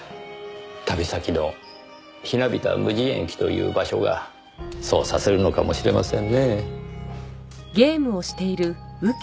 旅先のひなびた無人駅という場所がそうさせるのかもしれませんね。